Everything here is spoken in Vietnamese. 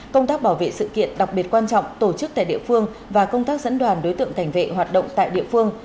công tác bảo vệ sự kiện đặc biệt quan trọng tổ chức tại địa phương và công tác dẫn đoàn đối tượng cảnh vệ hoạt động tại địa phương